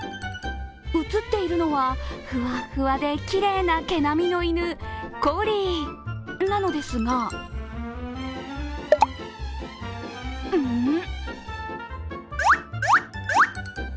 映っているのはフワフワできれいな毛並みの犬、コリーなのですがうん？